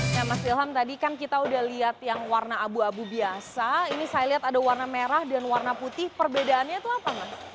nah mas ilham tadi kan kita udah lihat yang warna abu abu biasa ini saya lihat ada warna merah dan warna putih perbedaannya itu apa mas